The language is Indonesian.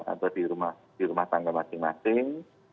atau di rumah tangga masing masing